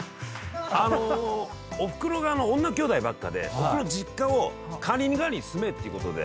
あのおふくろが女きょうだいばっかでおふくろの実家を管理人代わりに住めっていうことで。